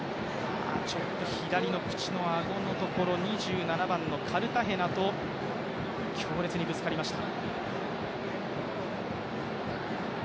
左の口の顎のところ、２７番のカルタヘナと強烈にぶつかりました。